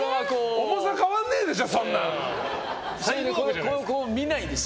重さ変わんねえでしょ！